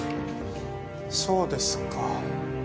そうですか。